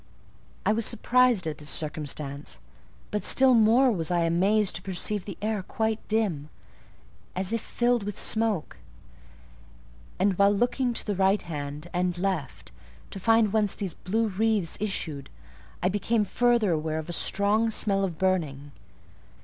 I was surprised at this circumstance: but still more was I amazed to perceive the air quite dim, as if filled with smoke; and, while looking to the right hand and left, to find whence these blue wreaths issued, I became further aware of a strong smell of burning.